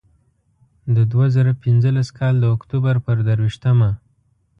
د دوه زره پینځلس کال د اکتوبر پر درویشتمه.